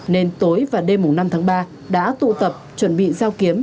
nên tối và đêm mùng năm tháng ba đã tụ tập chuẩn bị rào kiếm